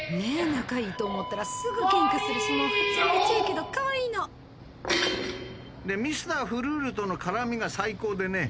仲いいと思ったらすぐケンカするしもうハチャメチャやけどカワイイの！でミスターフルールとの絡みが最高でね